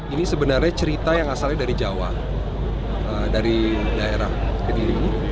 ini sebenarnya cerita yang asalnya dari jawa dari daerah ke diri ini